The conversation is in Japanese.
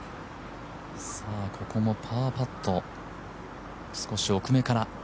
ここもパーパット、少し奥目から。